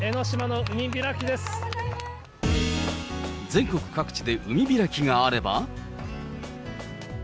全国各地で海開きがあれば。